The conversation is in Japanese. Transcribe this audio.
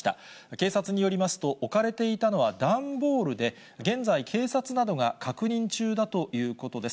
警察によりますと、置かれていたのは段ボールで、現在、警察などが確認中だということです。